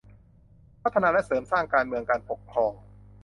พัฒนาและเสริมสร้างการเมืองการปกครอง